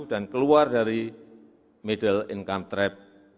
dan keluar dari middle income trap